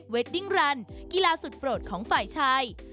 ดิ้งรันกีฬาสุดโปรดของฝ่ายชาย